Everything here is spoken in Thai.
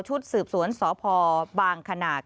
ชุดสืบสวนสพบางขนาด